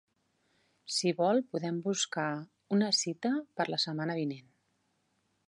Si vol, podem buscar una cita per la setmana vinent.